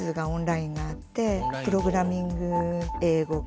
プログラミング英語。